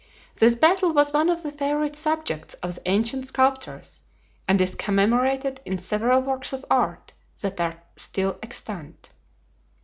This battle was one of the favorite subjects of the ancient sculptors, and is commemorated in several works of art that are still extant.